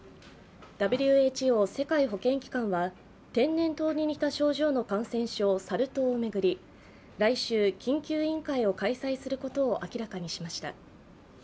ＷＨＯ＝世界保健機関は天然痘に似た症状の感染症、サル痘を巡り、来週緊急委員会を開催することを明らかにしました。